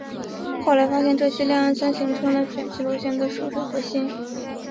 后来发现这些亮氨酸形成了卷曲螺旋的疏水核心。